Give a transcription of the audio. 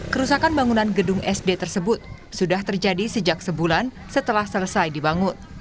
kerusakan bangunan gedung sd tersebut sudah terjadi sejak sebulan setelah selesai dibangun